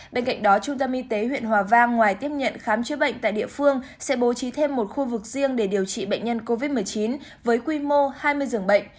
bên cạnh đó trung tâm y tế huyện hòa vang ngoài tiếp nhận khám chữa bệnh tại địa phương sẽ bố trí thêm một khu vực riêng để điều trị bệnh nhân covid một mươi chín với quy mô hai mươi dường bệnh